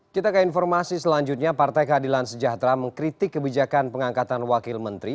kita ke informasi selanjutnya partai keadilan sejahtera mengkritik kebijakan pengangkatan wakil menteri